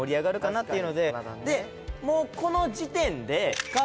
でもうこの時点で。